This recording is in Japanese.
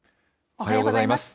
おはようございます。